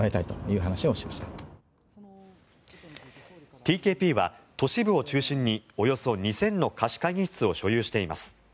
ＴＫＰは都市部を中心におよそ２０００の貸し会議室を所有しています。